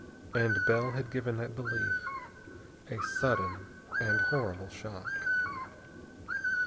And Bell had given that belief a sudden and horrible shock.